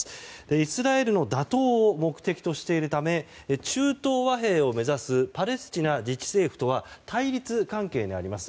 イスラエルの打倒を目撃としているため中東和平を目指すパレスチナ自治政府とは対立関係であります。